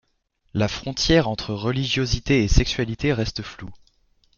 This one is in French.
La frontière entre religiosité et sexualité reste floue.